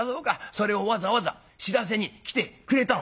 それをわざわざ知らせに来てくれたの？」。